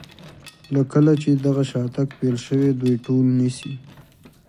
له کله چې دغه شاتګ پیل شوی دوی ټول نیسي.